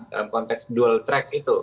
dalam konteks duo track itu